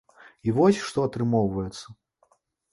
І вось што атрымоўваецца.